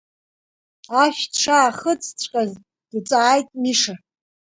Ашә дшаахыҵҵәҟьаз дҵааит Миша.